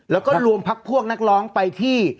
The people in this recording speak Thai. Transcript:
แล้วก็รวมพักพวกนักร้องไปที่